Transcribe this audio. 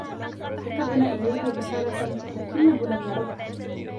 كتبن إليه رسالة، لكنه لم يردّ.